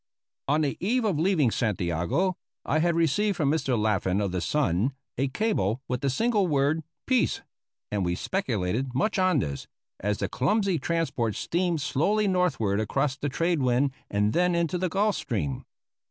On the eve of leaving Santiago I had received from Mr. Laffan of the Sun, a cable with the single word "Peace," and we speculated much on this, as the clumsy transport steamed slowly northward across the trade wind and then into the Gulf Stream.